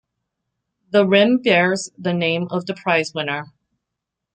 The rim bears the name of the prizewinner.